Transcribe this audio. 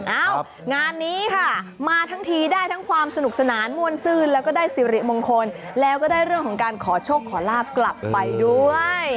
เอ้างานนี้ค่ะมาทั้งทีได้ทั้งความสนุกสนานม่วนซื่นแล้วก็ได้สิริมงคลแล้วก็ได้เรื่องของการขอโชคขอลาบกลับไปด้วย